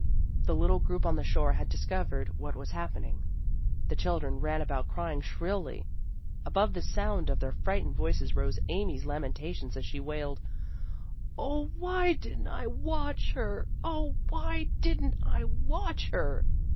The little group on the shore had discovered what was happening. The children ran about crying shrilly. Above the sound of then* frightened voices rose Amy's lamentations as she wailed, " O, why didn't I watch her! 0, why didn't I watch her!